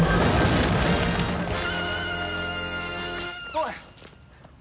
おい！